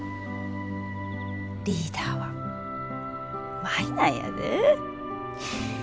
リーダーは舞なんやで。